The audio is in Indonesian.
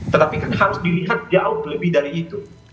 tetapi kan harus dilihat jauh lebih dari itu